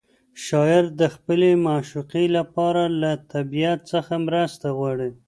شاعر د خپلې معشوقې لپاره له طبیعت څخه مرسته غواړي.